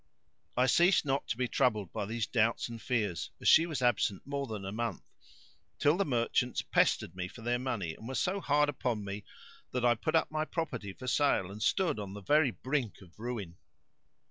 I ceased not to be troubled by these doubts and fears, as she was absent more than a month, till the merchants pestered me for their money and were so hard upon me that I put up my property for sale and stood on the very brink of ruin.